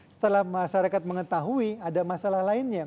setelah masyarakat mengetahui ada masalah lainnya